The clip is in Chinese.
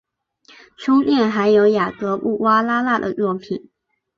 中殿还有雅格布瓜拉纳的作品。